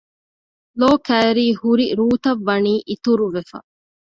ލޯކައިރީ ހުރި ރޫތައް ވަނީ އިތުރު ވެފަ